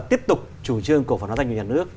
tiếp tục chủ trương cổ phòng nói danh của nhà nước